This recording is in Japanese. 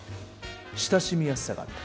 親しみやすさがあった。